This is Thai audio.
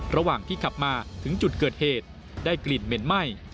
ระหว่างที่ขับมาถึงจุดเกิดเหตุได้กลิ่นเหม็นไหม้